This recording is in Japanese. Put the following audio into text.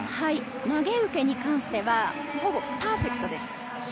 投げ受けに関してはほぼパーフェクトです。